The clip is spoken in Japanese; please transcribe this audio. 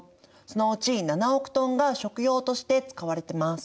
そのうち７億トンが食用として使われてます。